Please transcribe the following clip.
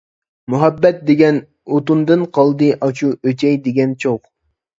مۇھەببەت دېگەن ئوتۇندىن قالدى ئاشۇ ئۆچەي دېگەن چوغ.